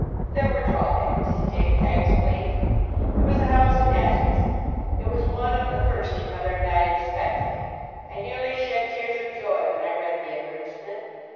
"There were drawbacks, Dick," I explained. "There was a house in Essex; it was one of the first your mother and I inspected. I nearly shed tears of joy when I read the advertisement.